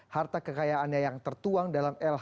harta kekayaannya yang tertuang dalam lhk